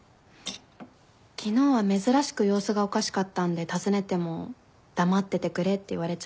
昨日は珍しく様子がおかしかったんで尋ねても黙っててくれって言われちゃったし。